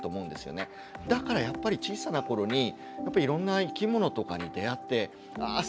だからやっぱり小さなころにいろんな生き物とかに出会ってああ